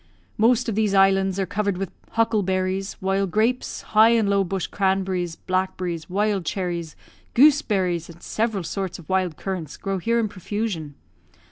"Most of these islands are covered with huckleberries; while grapes, high and low bush cranberries, blackberries, wild cherries, gooseberries, and several sorts of wild currants grow here in profusion.